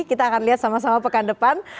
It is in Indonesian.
kita akan lihat sama sama pekan depan